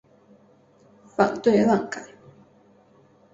反对乱改！